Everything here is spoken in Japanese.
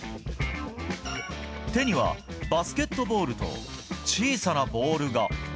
手にはバスケットボールと小さなボールが。